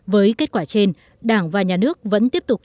với kết quả trên đảng và nhà nước vẫn tiếp tục